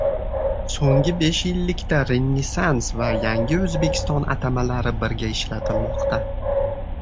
So'nngi besh yillikda Renessans va yangi O'zbekiston atamalari birga ishlatilmoqda.